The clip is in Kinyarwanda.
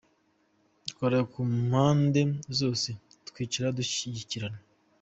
ukareba ku mpande zose twicare dushyikirane .